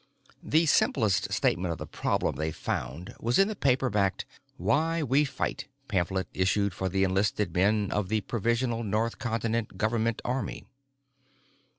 The simplest statement of the problem they found was in the paper backed "Why We Fight" pamphlet issued for the enlisted men of the Provisional North Continent Government Army.